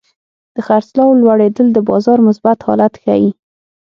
د خرڅلاو لوړېدل د بازار مثبت حالت ښيي.